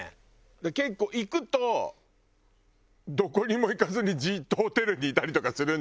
結構行くとどこにも行かずにじっとホテルにいたりとかするんだよね。